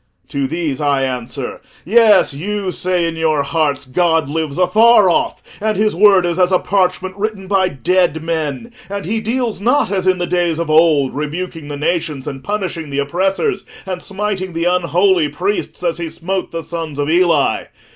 To these I answer: 'Yes, you say in your hearts, God lives afar off, and his word is as a parchment written by dead men, and he deals not as in the days of old, rebuking the nations, and punishing the oppressors, and smiting the unholy priests as he smote the sons of Eli.